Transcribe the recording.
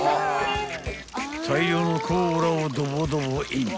［大量のコーラをドボドボイン］